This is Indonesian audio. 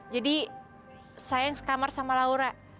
jadi saya yang sekamar sama laura